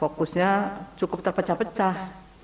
fokusnya cukup terpecah pecah